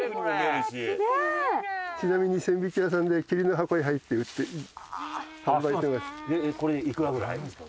ちなみに千疋屋さんで桐の箱に入って販売してます。